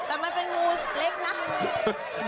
แต่มันเป็นงูเล็กนะ